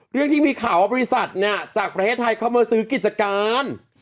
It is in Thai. เรื่องที่มีข่าวว่าบริษัทเนี่ยจากประเทศไทยเข้ามาซื้อกิจการ